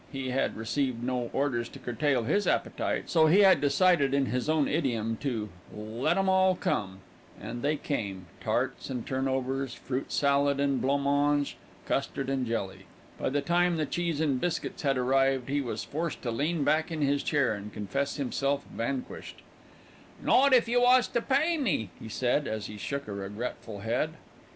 He had received no orders to curtail his appetite, so he had decided in his own idiom to "let 'em all come" and they came, tarts and turnovers, fruit salad and blanc mange, custard and jelly. By the time the cheese and biscuits had arrived, he was forced to lean back in his chair and confess himself vanquished. "Not if you was to pay me," he said, as he shook a regretful head.